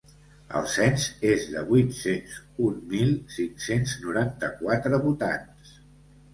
El cens és de vuit-cents un mil cinc-cents noranta-quatre votants.